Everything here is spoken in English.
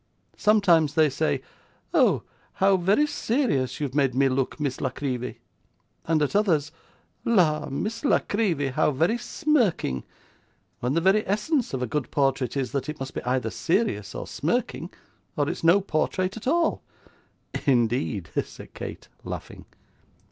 Sometimes they say, "Oh, how very serious you have made me look, Miss La Creevy!" and at others, "La, Miss La Creevy, how very smirking!" when the very essence of a good portrait is, that it must be either serious or smirking, or it's no portrait at all.' 'Indeed!' said Kate, laughing.